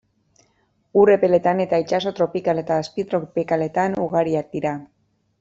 Ur epeletan eta itsaso tropikal eta azpitropikaletan ugariak dira.